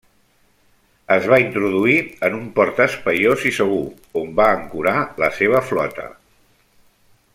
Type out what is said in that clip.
Es va introduir en un port espaiós i segur, on va ancorar la seva flota.